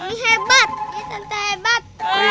ini hebat ini santai hebat